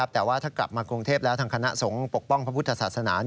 แต่ว่าถ้ากลับมากรุงเทพแล้วทางคณะสงฆ์ปกป้องพระพุทธศาสนา